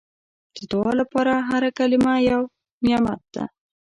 د دعا هره کلمه یو نعمت ده.